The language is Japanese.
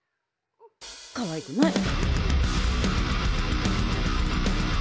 かわいくない。